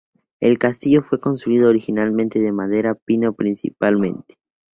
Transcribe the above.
El castillo fue construido originalmente de madera, pino principalmente.